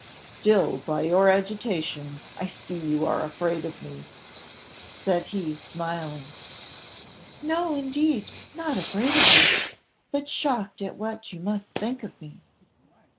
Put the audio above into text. "Still by your agitation I see you are afraid of me," said he, smiling. "No indeed; not afraid of you, but shocked at what you must think of me."